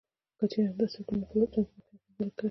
که چېرې همداسې وکړي نو په لوستونکو به ښه اغیز وکړي.